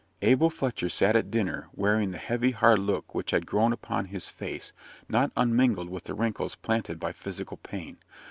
Abel Fletcher sat at dinner wearing the heavy, hard look which had grown upon his face not unmingled with the wrinkles planted by physical pain.